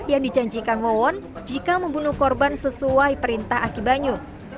yang dijanjikan wawon jika membunuh korban sesuai perintah akibanyu